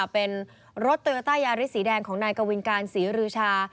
เป็นรถตื่อใต้ยาริสีแดงของนายกะวินการศรีรืชา